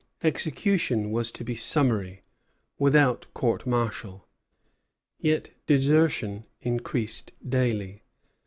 Execution was to be summary, without court martial. Yet desertion increased daily.